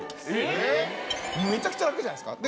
めちゃくちゃ楽じゃないですか。